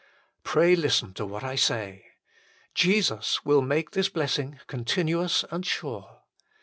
Pray listen to what I say : Jesus will make this blessing continuous and sure.